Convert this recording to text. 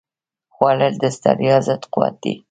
خوړل د ستړیا ضد قوت دی